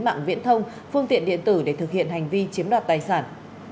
mạng viễn thông phương tiện điện tử để thực hiện hành vi chiếm đoạt tài sản